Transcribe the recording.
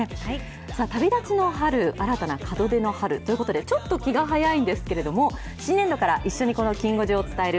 さあ、旅立ちの春、新たな門出の春、ということで、ちょっと気が早いんですけれども、新年度から一緒にこのきん５時を伝える